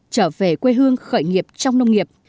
trở về quê hương khởi nghiệp trong nông nghiệp